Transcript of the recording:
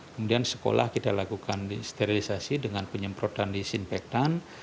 kemudian sekolah kita lakukan sterilisasi dengan penyemprotan disinfektan